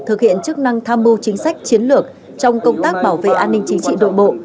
thực hiện chức năng tham mưu chính sách chiến lược trong công tác bảo vệ an ninh chính trị nội bộ